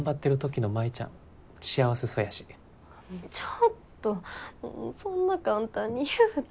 ちょっとそんな簡単に言うて。